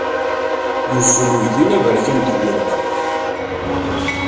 Yuzzel uydi-nni aberkan deg ulma.